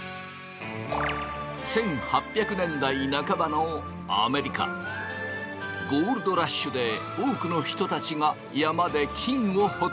１８００年代半ばのアメリカゴールドラッシュで多くの人たちが山で金を掘っていた。